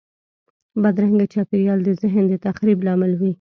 بدرنګه چاپېریال د ذهن د تخریب لامل وي